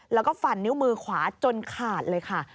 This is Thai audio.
แล้วก็ฟันนิ้วมือขวาจนขาดเลยค่ะ